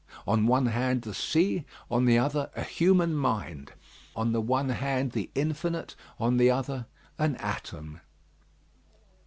On one hand the sea, on the other a human mind; on the one hand the infinite, on the other an atom.